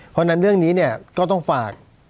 เพราะฉะนั้นเรื่องนี้เนี่ยก็ต้องฝาก